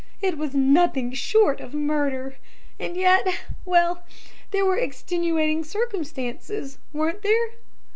It was nothing short of murder! And yet well, there were extenuating circumstances, weren't there?'